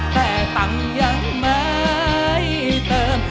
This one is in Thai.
แต่ตังค์ยังไม่เติม